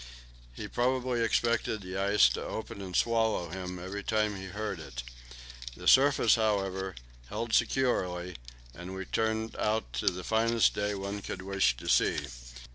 He probably expected the ice to open and swallow him up every time he heard it. The surface, however, held securely, and we turned out to the finest day one could wish to see.